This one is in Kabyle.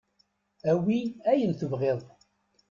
Awi ayen tebɣiḍ.